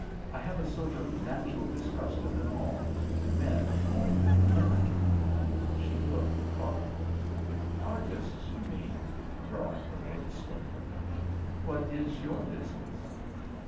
I have a sort of natural distrust of them all, the men more than the women." She looked thoughtful. "Artists, you mean?" drawing her words slowly. "What is your business?"